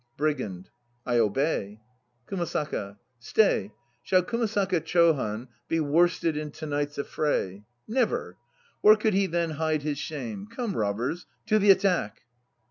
BRIGAND. I obey. KUMASAKA. Stay! Shall Kumasaka Chohan be worsted in to night's affray? Never! Where could he then hide his shame? Come, robbers, to the attack!